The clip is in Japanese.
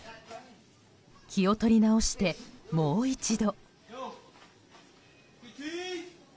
気を取り直してもう一度。